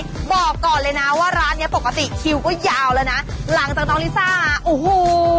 บอกก่อนเลยนะว่าร้านเนี้ยปกติคิวก็ยาวแล้วนะหลังจากน้องลิซ่าโอ้โห